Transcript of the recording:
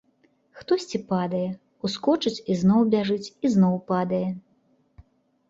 Хтосьці падае, ускочыць і зноў бяжыць і зноў падае.